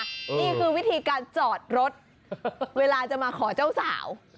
นี่คือวิธีการจอดรถเวลาจะมาขอเจ้าสาว